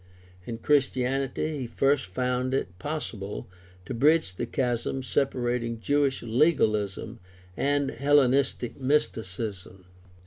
In Christianity he first found it possible to bridge the chasm sepa rating Jewish legalism and Hellenistic mysticism.